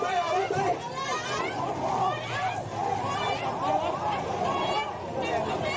ที่สุดรองมอเลศ์นะครับ